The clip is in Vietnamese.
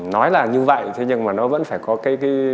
nói là như vậy thế nhưng mà nó vẫn phải có cái